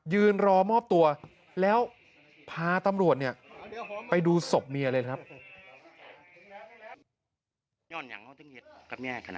ยืนรอมอบตัวแล้วพาตำรวจไปดูศพเมียเลยครับ